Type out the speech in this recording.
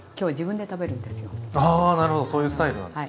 あなるほどそういうスタイルなんですね。